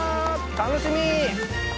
楽しみ！